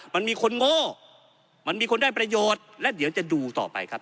มันมีคนโง่มันมีคนได้ประโยชน์และเดี๋ยวจะดูต่อไปครับ